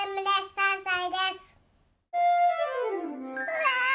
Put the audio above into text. うわ！